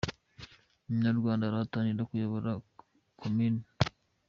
Umunyarwanda arahatanira kuyobora komini